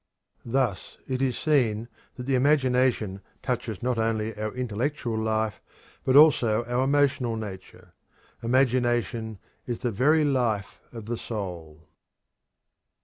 Thus it is seen that the imagination touches not only our intellectual life but also our emotional nature. Imagination is the very life of the soul.